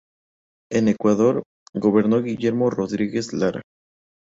En Ecuador, gobernó Guillermo Rodríguez Lara.